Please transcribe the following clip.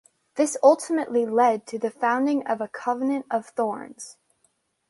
This ultimately led to the founding of A Covenant of Thorns.